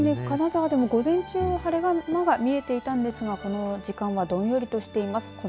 金沢でも、午前中は晴れ間が見えていたのですがこの時間はどんよりとしています。